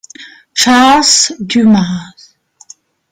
Charles Dumas